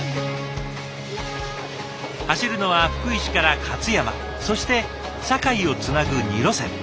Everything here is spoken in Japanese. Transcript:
走るのは福井市から勝山そして坂井をつなぐ２路線。